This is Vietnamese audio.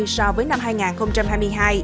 so với năm hai nghìn hai mươi hai